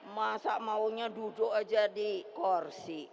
masa maunya duduk aja di kursi